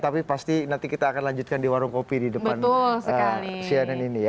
tapi pasti nanti kita akan lanjutkan di warung kopi di depan cnn ini ya